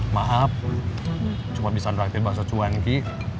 maaf cuma bisa ngeraktif bahasa cuan ki